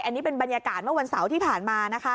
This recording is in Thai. อันนี้เป็นบรรยากาศเมื่อวันเสาร์ที่ผ่านมานะคะ